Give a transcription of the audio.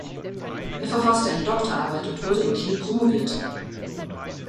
Er verfasste eine Doktorarbeit und wurde in Kiel promoviert.